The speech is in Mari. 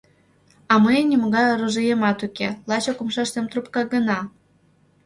А мыйын нимогай оружиемат уке, лачак умшаштем трупка гына...